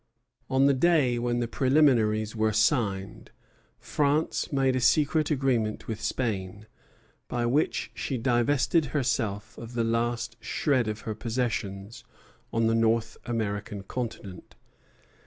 On the day when the preliminaries were signed, France made a secret agreement with Spain, by which she divested herself of the last shred of her possessions on the North American continent.